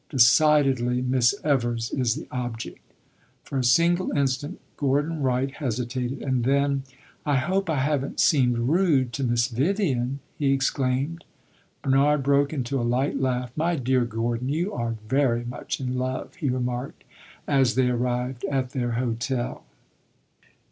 Decidedly, Miss Evers is the object!" For a single instant Gordon Wright hesitated, and then "I hope I have n't seemed rude to Miss Vivian!" he exclaimed. Bernard broke into a light laugh. "My dear Gordon, you are very much in love!" he remarked, as they arrived at their hotel.